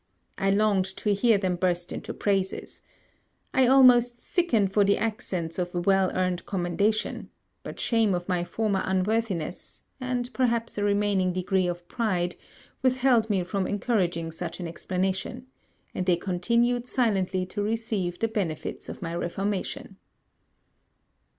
I longed to hear them burst into praises. I almost sickened for the accents of well earned commendation; but shame of my former unworthiness, and perhaps a remaining degree of pride, withheld me from encouraging such an explanation: and they continued silently to receive the benefits of my reformation.